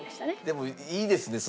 でもいいですね